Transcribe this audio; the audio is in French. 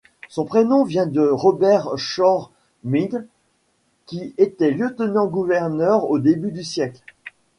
Son prénom vient de Robert Shore Milnes, qui était lieutenant-gouverneur au début du siècle.